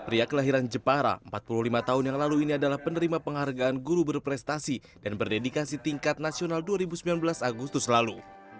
ria kelahiran jepara empat puluh lima tahun yang lalu ini adalah penerima penghargaan guru berprestasi dan berdedikasi tingkat nasional dua ribu sembilan belas agustus lalu